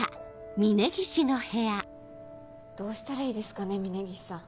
どうしたらいいですかね峰岸さん。